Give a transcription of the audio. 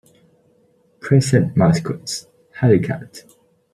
Present Mascots: Halicat.